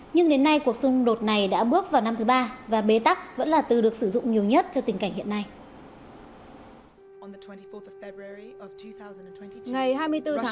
nhưng đến nay cuộc xung đột này đã bước vào năm thứ ba và bế tắc vẫn là từ được sử dụng nhiều nhất cho tình cảnh hiện nay